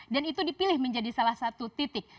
dan itu dipilih menjadi salah satu titik